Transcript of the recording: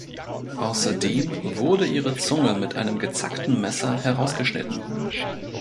Außerdem wurde ihre Zunge mit einem gezackten Messer herausgeschnitten.